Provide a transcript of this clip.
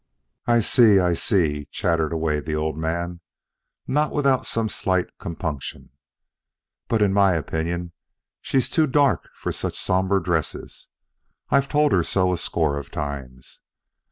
"I see, I see," chattered away the old man, not without some slight compunction. "But in my opinion she's too dark for such somber dresses. I've told her so a score of times."